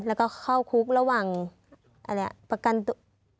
แล้วก็เข้าคุกระหว่างประกันตัว